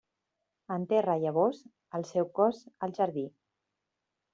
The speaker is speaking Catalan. Enterra llavors el seu cos al jardí.